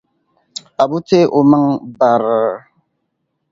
Abu teei o maŋa bar.